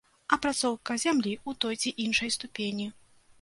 Апрацоўка зямлі ў той ці іншай ступені.